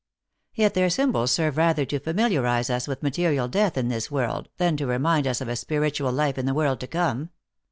Yet their symbols serve rather to familiarize us with material death in this world, than to remind us of a spiritual life in the world to come.